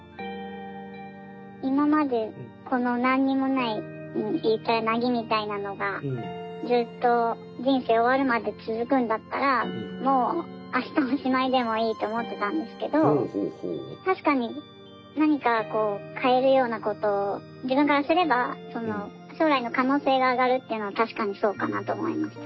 今までこの何にもない言ったらなぎみたいなのがずっと人生終わるまで続くんだったらもうあしたおしまいでもいいと思ってたんですけど確かに何か変えるようなことを自分からすれば将来の可能性が上がるというのは確かにそうかなと思いました。